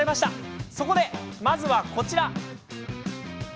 そこで、まずはこちら。